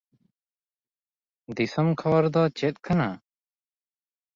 ᱫᱤᱥᱚᱢ ᱠᱷᱚᱵᱚᱨ ᱫᱚ ᱪᱮᱫ ᱠᱟᱱᱟ?